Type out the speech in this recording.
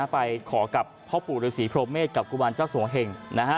ไปขอกับพ่อปู่รือศรีโพรเมฆกับกุวันเจ้าสวงเห็ง